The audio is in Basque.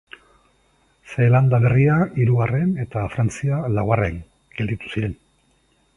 Zeelanda Berria hirugarren eta Frantzia laugarren gelditu ziren.